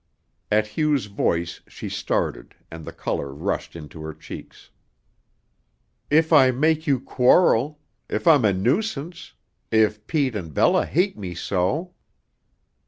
At Hugh's voice she started and the color rushed into her cheeks. "If I make you quarrel, if I'm a nuisance, if Pete and Bella hate me so!"